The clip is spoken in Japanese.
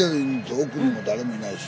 奥にも誰もいないし。